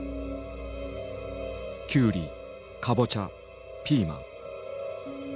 キュウリカボチャピーマン。